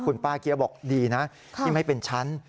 คุณป้าเกี้ยบอกดีนะที่ไม่เป็นฉัน